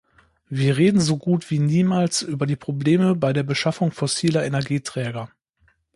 Wir reden so gut wie niemals über die Probleme bei der Beschaffung fossiler Energieträger.